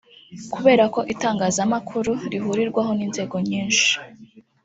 Kubera ko Itangazamakuru rihurirwaho n’inzego nyishi